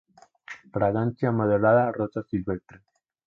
Fragancia moderada a rosas silvestres.